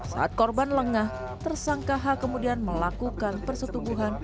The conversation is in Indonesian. saat korban lengah tersangka h kemudian melakukan persetubuhan